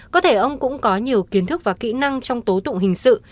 có thể ông cũng có nhiều kiến thức và kỹ năng trong tố tụng hình sự